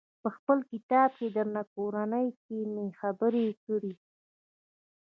په خپل کتاب درنه کورنۍ کې مې خبرې کړي.